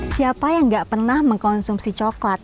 siapa yang gak pernah mengkonsumsi coklat